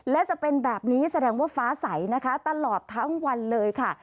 และจะเป็นแบบนี้แสดงว่าฟ้าใสนะคะตลอดทั้งวันเลยค่ะ